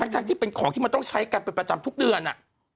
ทั้งที่เป็นของที่มันต้องใช้กันเป็นประจำทุกเดือน